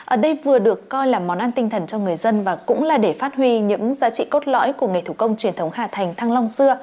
ở đây vừa được coi là món ăn tinh thần cho người dân và cũng là để phát huy những giá trị cốt lõi của nghề thủ công truyền thống hà thành thăng long xưa